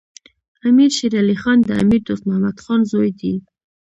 امیر شیر علی خان د امیر دوست محمد خان زوی دی.